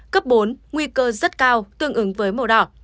cấp bốn nguy cơ rất cao tương ứng với màu đỏ